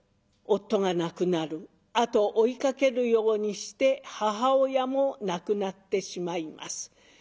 後を追いかけるようにして母親も亡くなってしまいます。